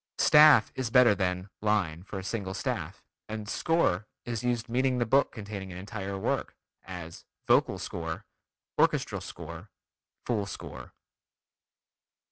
"Staff" is better than "line" for a single staff, and "score" is used meaning the book containing an entire work, as "vocal score," "orchestral score," "full score."